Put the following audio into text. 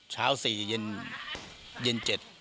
เช้า๔เย็น๗